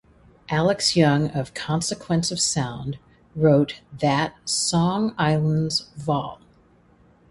Alex Young of "Consequence of Sound" wrote that ""Song Islands Vol.